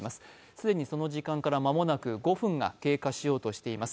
既にその時間から間もなく５分が経過しようとしています。